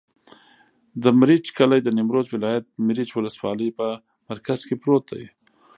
د مريچ کلی د نیمروز ولایت، مريچ ولسوالي په مرکز کې پروت دی.